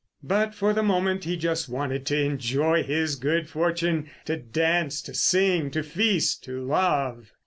But for the moment he just wanted to enjoy his good fortune; to dance, to sing, to feast, to love.